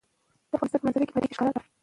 د افغانستان په منظره کې بادي انرژي ښکاره ده.